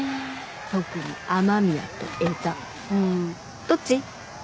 特に雨宮と江田うんどっち？